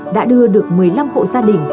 đã đưa được một mươi năm hộ gia đình